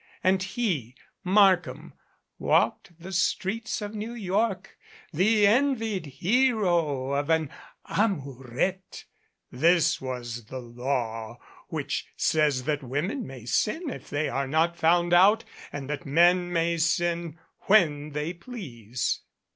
And he, Markham, walked the streets of New York the envied hero of an "amourette." This was the law, which says that women may sin if they are not found out and that men may sin when they please.